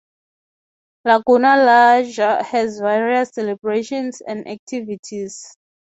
Laguna Larga has various celebrations and activities.